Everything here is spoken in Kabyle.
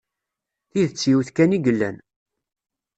Tidett yiwet kan i yellan.